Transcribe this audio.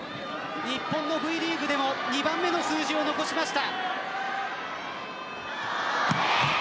日本のＶリーグでも２番目の数字を残しました。